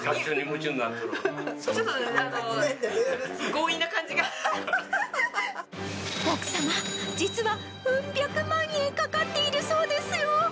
ちょっと、強引な感じがしま奥様、実はうん百万円かかっているそうですよ。